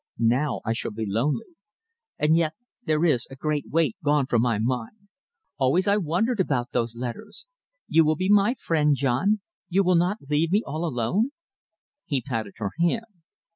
Now I shall be lonely. And yet, there is a great weight gone from my mind. Always I wondered about those letters. You will be my friend, John? You will not leave me all alone?" He patted her hand.